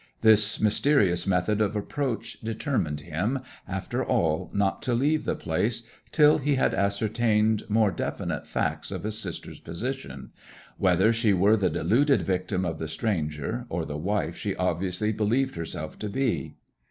This mysterious method of approach determined him, after all, not to leave the place till he had ascertained more definite facts of his sister's position whether she were the deluded victim of the stranger or the wife she obviously believed herself to be.